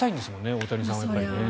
大谷さんはね。